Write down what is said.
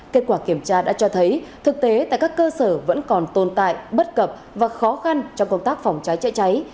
kết quả kiểm tra đã cho thấy thực tế tại các cơ sở vẫn còn tồn tại bất cập và khó khăn trong công tác phòng cháy chữa cháy